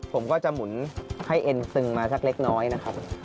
ผมก็จะหมุนให้เอ็นซึงมาสักเล็กน้อยนะครับ